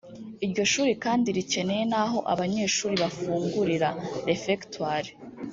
Iryo shuri kandi rikeneye n’aho abanyeshuri bafungurira (Refectoire)